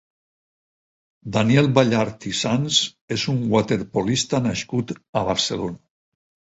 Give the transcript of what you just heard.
Daniel Ballart i Sans és un waterpolista nascut a Barcelona.